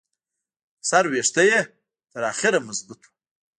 د سر ویښته یې تر اخره مضبوط وو.